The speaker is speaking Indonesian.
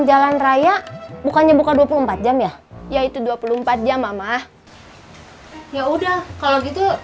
jalan raya bukannya buka dua puluh empat jam ya yaitu dua puluh empat jam mama ya udah kalau gitu